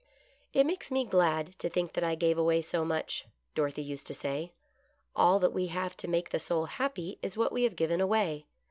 "It makes me glad to think that I gave away so much," Dorothy used to say. " All that we have to make the soul happy is what we have given away.